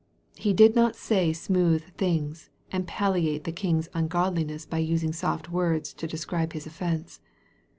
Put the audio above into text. He did not say smooth things, and palliate the king's ungodliness by using soft words to describe his offence.